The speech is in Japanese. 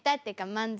漫才。